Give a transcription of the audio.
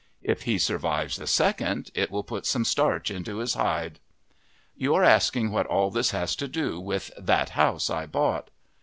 If he survives the second, it will put some starch into his hide. You are asking what all this has to do with That House I Bought.